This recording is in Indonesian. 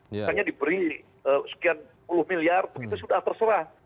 misalnya diberi sekian puluh miliar begitu sudah terserah